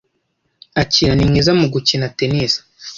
Akira ni mwiza mu gukina tennis.